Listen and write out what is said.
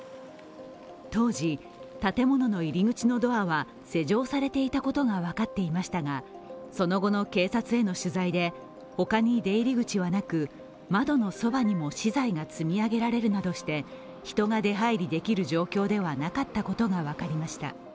当時、建物の入り口のドアは施錠されていたことが分かっていましたが、その後の警察への取材で他に出入り口はなく窓のそばにも資材が積み上げられるなどして人が出入りできる状況ではなかったことが分かりました。